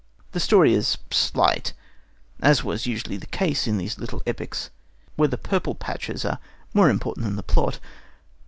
The story is slight, as was usually the case in these little epics, where the purple patches are more important than the plot.